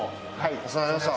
お世話になりました。